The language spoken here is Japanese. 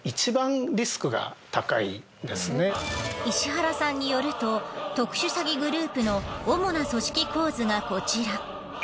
石原さんによると特殊詐欺グループの主な組織構図がこちら。